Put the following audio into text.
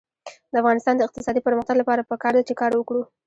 د افغانستان د اقتصادي پرمختګ لپاره پکار ده چې کار وکړو.